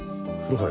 ・はい。